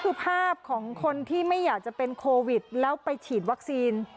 คือภาพของคนที่ไม่อยากจะเป็นโควิดแล้วไปฉีดวัคซีน